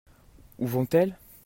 Où vont-elles ?